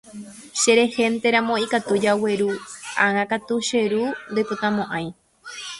Cherehénteramo ikatu jagueru, ág̃akatu che ru ndoipotamo'ãi.